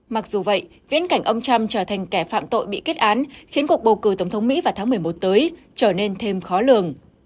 mặc dù vậy viễn cảnh ông trump trở thành kẻ phạm tội bị kết án khiến cuộc bầu cử tổng thống mỹ vào tháng một mươi một tới trở nên thêm khó lường